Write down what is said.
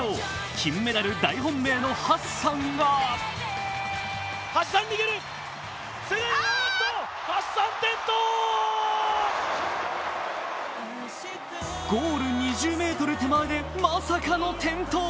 金メダル大本命のハッサンがゴール２０ｍ手前でまさかの転倒。